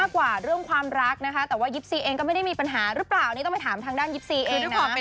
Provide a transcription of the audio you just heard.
คือเขาแบ่งเวลากันได้นะเรื่องแบบนี้นะครับ